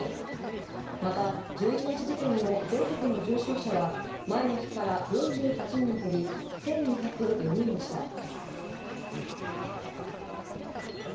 また、１１日時点の全国の重症者は前の日から４８人減り１２０４人でした。